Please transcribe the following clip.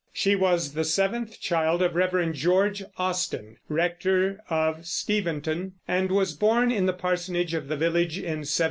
She was the seventh child of Rev. George Austen, rector of Steventon, and was born in the parsonage of the village in 1775.